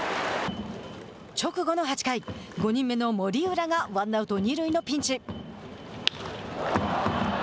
直後の８回、５人目の森浦がワンアウト、二塁のピンチ。